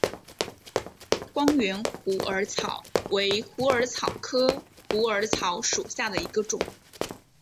光缘虎耳草为虎耳草科虎耳草属下的一个种。